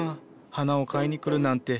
花を買いに来るなんて。